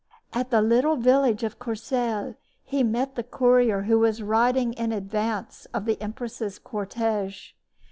At the little village of Courcelles he met the courier who was riding in advance of the empress's cortege.